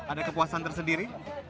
ada kepuasan tersendiri